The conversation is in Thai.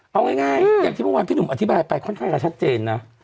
เอาง่ายอย่างที่เมื่อวานพี่หนุ่มอธิบายไปค่อนข้างจะชัดเจนนะ